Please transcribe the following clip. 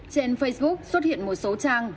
trên facebook xuất hiện một số trang